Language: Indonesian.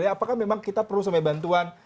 apakah memang kita perlu sebenarnya bantuan